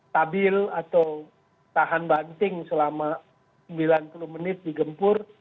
tabil atau tahan banting selama sembilan puluh menit di gempur